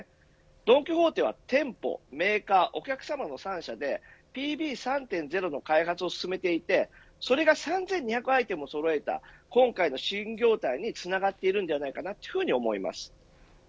ドン・キホーテは店舗、メーカーお客様の三者でＰＢ３．０の開発を進めておりそれが３２００アイテムをそろえた今回の新業態につながっているのではないかと思います。